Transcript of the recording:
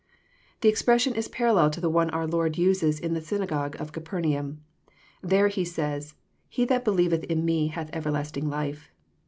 The expression is parallel to the one our Lord uses in the synagogue of Capernaum. There He says, '* He that believeth In Me, hath everlasting life."